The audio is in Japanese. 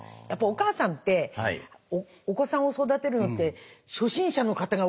お母さんってお子さんを育てるのって初心者の方が多いでしょ？